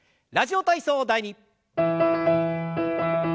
「ラジオ体操第２」。